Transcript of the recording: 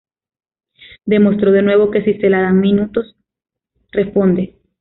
Demostró de nuevo que si se le dan minutos, responde.